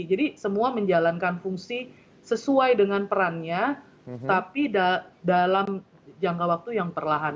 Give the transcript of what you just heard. jadi semua menjalankan fungsi sesuai dengan perannya tapi dalam jangka waktu yang perlahan